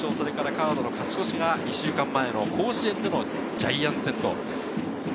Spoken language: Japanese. カードの勝ち越しが１週間前の甲子園でのジャイアンツ戦。